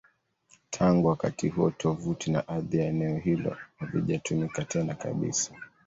Tangu wakati huo, tovuti na ardhi ya eneo hilo havijatumika tena kabisa.